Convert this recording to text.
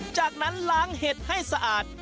จากนั้นล้างเห็ดให้สะอาด